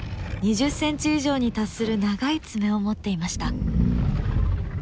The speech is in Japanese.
２０ｃｍ以上に達する長い爪を持っていました。